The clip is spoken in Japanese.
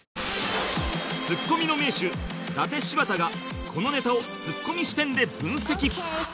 ツッコミの名手伊達柴田がこのネタをツッコミ視点で分析